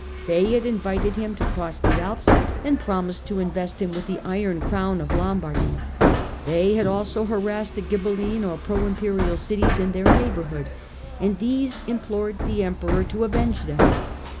They had invited him to cross the Alps and promised to invest him with the iron crown of Lombardy. They had also harassed the Ghibelline or pro Imperial cities in their neighbourhood, and these implored the Emperor to avenge them.